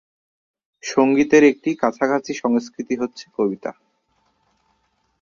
সংগীতের এর একটি কাছাকাছি সংস্কৃতি হচ্ছে কবিতা।